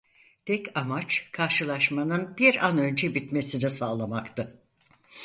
Tek amaç karşılaşmanın bir an önce bitmesini sağlamaktı.